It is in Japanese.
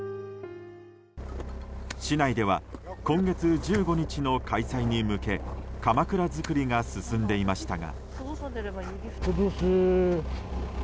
市内では今月１５日の開催に向けかまくら作りが進んでいましたが。